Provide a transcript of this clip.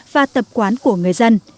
và tập quán của người dân